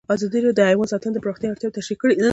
ازادي راډیو د حیوان ساتنه د پراختیا اړتیاوې تشریح کړي.